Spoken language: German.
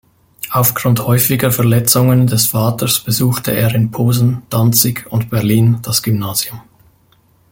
Aufgrund häufiger Versetzungen des Vaters besuchte er in Posen, Danzig und Berlin das Gymnasium.